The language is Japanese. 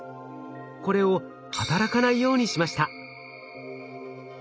これを働かないようにしました。